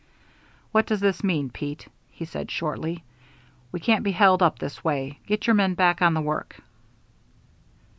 "What does this mean, Pete?" he said shortly. "We can't be held up this way. Get your men back on the work."